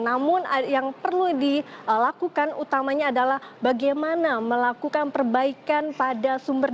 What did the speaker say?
namun yang perlu dilakukan utamanya adalah bagaimana melakukan perbaikan pada sumber daya